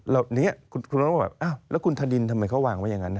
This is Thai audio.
แล้วนี้คุณน้องน้องว่าแบบอ้าวแล้วคุณทดินทำไมเขาวางไว้อย่างนั้น